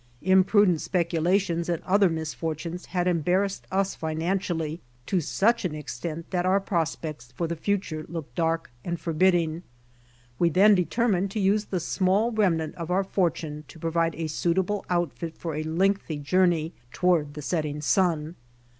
Imprudent speculations and other mis fortunes had embarrassed us financially to such an extent that our prospects for the future looked dark and forbidding; we then determined to use the small remnant of our fortune to provide a suitable outfit for a lengthy journey toward the setting sun.